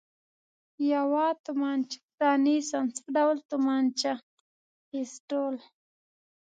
یوه تومانچه را نیسم، څه ډول تومانچه؟ پېسټول.